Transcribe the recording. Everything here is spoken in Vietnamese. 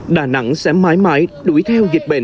đà nẵng sẽ mãi mãi đuổi theo dịch bệnh